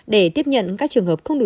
để tiếp nhận các trường hợp không đủ